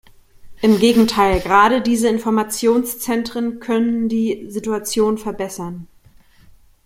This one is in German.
Im Gegenteil, gerade diese Informationszentren können die Situation verbessern.